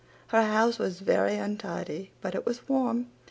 Her house was very untidy but it was warm.